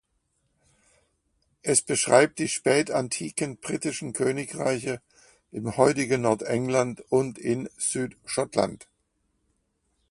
Es beschreibt die spätantiken britischen Königreiche im heutigen Nordengland und in Südschottland.